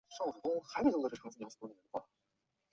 己醛糖是分子中有醛基的己糖。